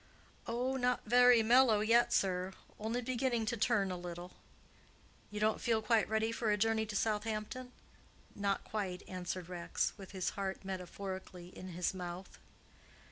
"Oh, not very mellow yet, sir; only beginning to turn a little." "You don't feel quite ready for a journey to Southampton?" "Not quite," answered Rex, with his heart metaphorically in his mouth.